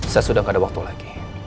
saya sudah tidak ada waktu lagi